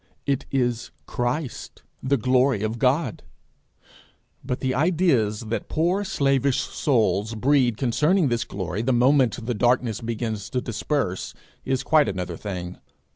It is Christ the glory of God. But the ideas that poor slavish souls breed concerning this glory the moment the darkness begins to disperse, is quite another thing.